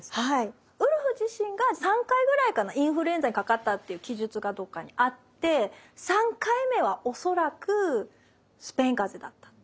はいウルフ自身が３回ぐらいかなインフルエンザにかかったっていう記述がどっかにあって３回目は恐らくスペインかぜだった。